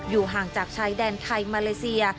ห่างจากชายแดนไทยมาเลเซีย